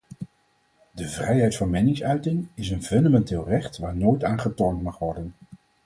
De vrijheid van meningsuiting is een fundamenteel recht, waar nooit aan getornd mag worden.